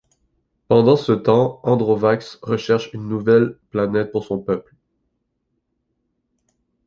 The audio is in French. Pendant ce temps, Androvax recherche une nouvelle planète pour son peuple.